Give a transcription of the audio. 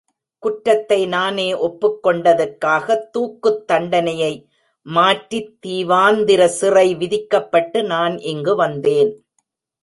குற்றத்தை நானே ஒப்புக் கொண்டதற்காகத் தூக்குத் தண்டனையை மாற்றித் தீவாந்திர சிறை விதிக்கப்பட்டு நான் இங்கு வந்தேன்.